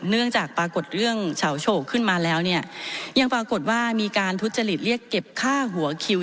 เนื่องจากปรากฏเรื่องเฉาโฉกขึ้นมาแล้วเนี่ยยังปรากฏว่ามีการทุจริตเรียกเก็บค่าหัวคิว